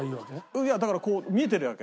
いやだからこう見えてるわけ。